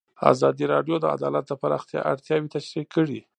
ازادي راډیو د عدالت د پراختیا اړتیاوې تشریح کړي.